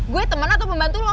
gue temen atau pembantu lo